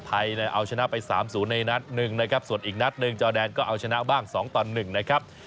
ไทยเนี่ยเอาชนะไป๓๐ในนัดหนึ่งนะครับส่วนอีกนัดหนึ่งจอแดนก็เอาชนะบ้าง๒ต่อ๑นะครับ